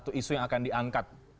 tapi itu yang akan diangkat